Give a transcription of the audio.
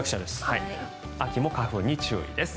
秋も花粉に注意です。